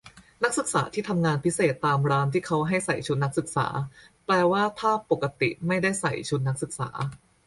นักศึกษาที่ทำงานพิเศษตามร้านที่เขาให้ใส่ชุดนักศึกษา แปลว่าถ้าปกติไม่ได้ใส่ชุดนักศึกษา